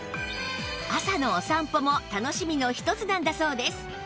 朝のお散歩も楽しみの一つなんだそうです